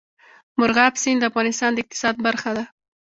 مورغاب سیند د افغانستان د اقتصاد برخه ده.